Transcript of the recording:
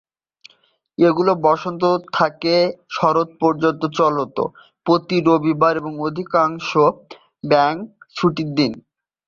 এগুলো বসন্ত থেকে শরৎ পর্যন্ত চলত, প্রতি রবিবার এবং অধিকাংশ ব্যাংক ছুটির দিন।